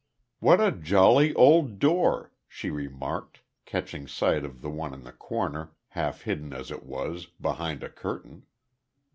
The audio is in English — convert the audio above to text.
"What a jolly old door," she remarked, catching sight of the one in the corner, half hidden as it was, behind a curtain.